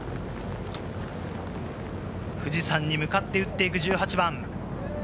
富士山に向かって打っていく１８番。